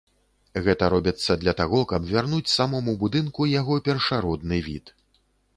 Гэта робіцца для таго, каб вярнуць самому будынку яго першародны від.